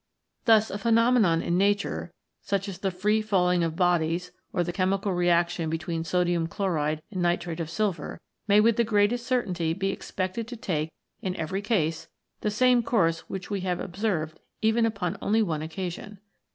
Thus a phenomenon in Nature, such as the free falling of bodies or the chemical reaction between sodium chloride and nitrate of silver, may with the greatest certainty be expected to take in every case the same course which we have observed even upon only one occasion.